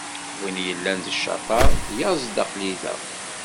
Win yellan d ccaṭer, yaẓ-d aql-i da.